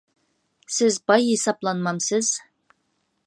سىز باي ھېسابلانمامسىز؟